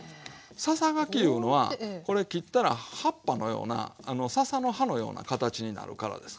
ささがきいうのはこれ切ったら葉っぱのようなささの葉のような形になるからです。